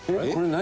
「何？